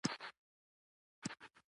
مزارشریف د افغانانو د ګټورتیا برخه ده.